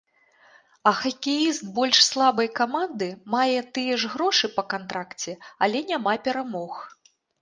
А хакеіст больш слабай каманды мае тыя ж грошы па кантракце, але няма перамог.